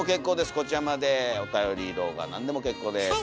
こちらまでおたより動画何でも結構です。